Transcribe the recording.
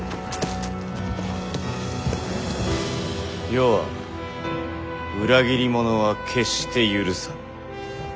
余は裏切り者は決して許さん。